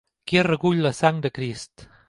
Qui recull la sang de Crist?